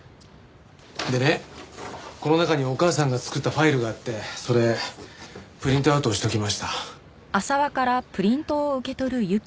でねこの中にお母さんが作ったファイルがあってそれプリントアウトしておきました。